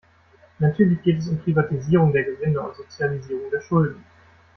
Natürlich geht es um Privatisierung der Gewinne und Sozialisierung der Schulden.